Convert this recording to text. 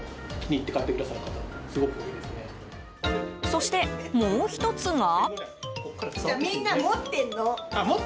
そして、もう１つが。